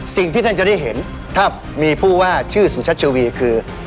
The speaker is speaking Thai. สิ่งที่ท่านจะได้เห็นถ้ามีผู้ว่าชื่อสุชัชวีคือ